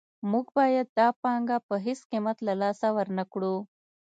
موږ باید دا پانګه په هېڅ قیمت له لاسه ورنکړو